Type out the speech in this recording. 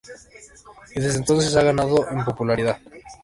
Y desde entonces ha ganado en popularidad.